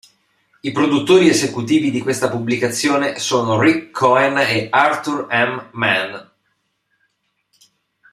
I produttori esecutivi di questa pubblicazione sono Ric Cohen e Arthur M. Mann.